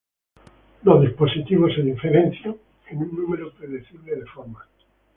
Los dispositivos se diferencian en un número predecible de formas.